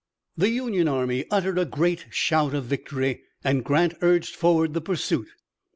The Union army uttered a great shout of victory, and Grant urged forward the pursuit.